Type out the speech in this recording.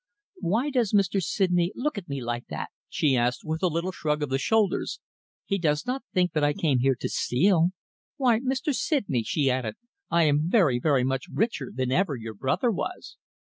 "Why does Mr. Sydney look at me like that?" she asked, with a little shrug of the shoulders. "He does not think that I came here to steal? Why, Mr. Sydney," she added, "I am very, very much richer than ever your brother was."